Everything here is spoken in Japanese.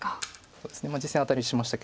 実戦はアタリしましたけど。